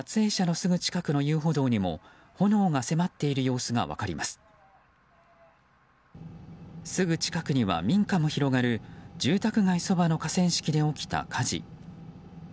すぐ近くには民家も広がる住宅街そばの河川敷で起きた火事。